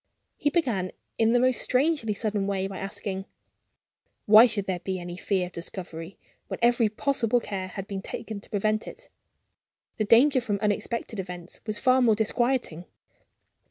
He began in the most strangely sudden way by asking: "Why should there be any fear of discovery, when every possible care had been taken to prevent it? The danger from unexpected events was far more disquieting.